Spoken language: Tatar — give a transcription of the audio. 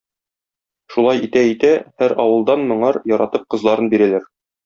Шулай итә-итә, һәр авылдан моңар, яратып, кызларын бирәләр.